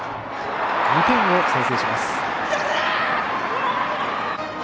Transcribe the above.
２点を先制します。